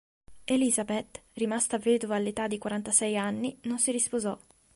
Elizabeth, rimasta vedova all'età di quarantasei anni, non si risposò.